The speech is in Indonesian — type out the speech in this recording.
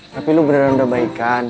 tapi lo beneran udah baik kan